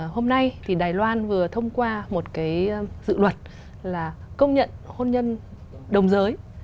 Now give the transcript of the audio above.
hôm nay thì đài loan vừa thông qua một cái dự luật là công nhận hôn nhân đồng giới